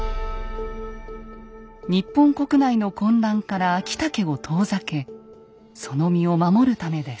日本国内の混乱から昭武を遠ざけその身を守るためです。